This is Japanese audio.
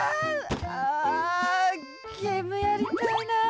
あゲームやりたいな。